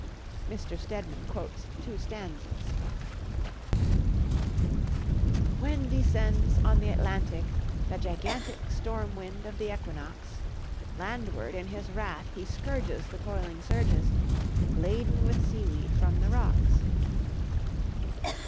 Mr. Stedman quotes two stanzas: "When descends on the Atlantic the gigantic Storm wind of the Equinox, Landward in his wrath he scourges the toiling surges, Laden with seaweed from the rocks."